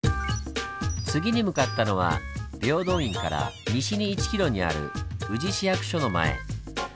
次に向かったのは平等院から西に１キロにある宇治市役所の前。